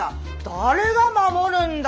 誰が守るんだよ